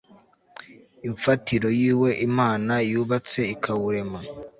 imfatiro yuwo imana yubatse ikawurema